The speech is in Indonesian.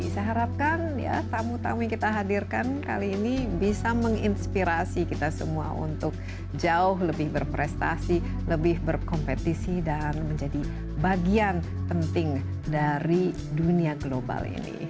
saya harapkan ya tamu tamu yang kita hadirkan kali ini bisa menginspirasi kita semua untuk jauh lebih berprestasi lebih berkompetisi dan menjadi bagian penting dari dunia global ini